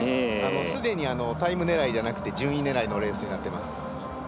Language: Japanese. すでにタイム狙いじゃなくて順位狙いのレースになってます。